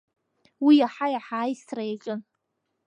Уи иаҳа-иаҳа аисра иаҿын…